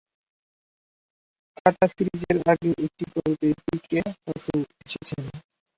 কাঁটা সিরিজের আগেও একটি গল্পে পি কে বাসু এসেছেন।